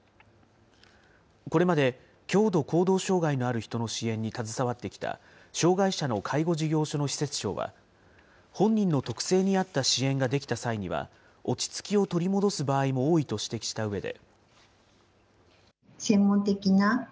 これまで強度行動障害のある人の支援に携わってきた障害者の介護事業所の施設長は、本人の特性に合った支援ができた際には、落ち着きを取り戻す場合も多いと指摘したうえで。